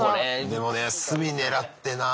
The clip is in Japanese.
でもね隅狙ってなぁ。